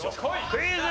クイズ。